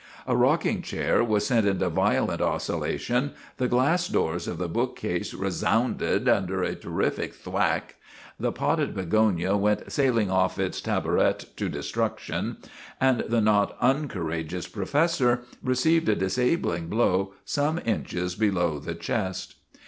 A rocking chair was sent into violent oscillation, the glass doors of the bookcase resounded under a terrific thwack, the potted begonia went sailing off its tabouret to destruction, and the not uncourageous professor received a disabling blow some inches be low the chest.